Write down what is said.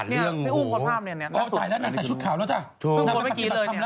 ถึงพวกเมื่อกี้ละธรรมแล้ว